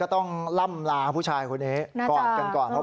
ระหว่างมาเดินอยู่ที่ห้างแห่งหนึ่งในกรุงการ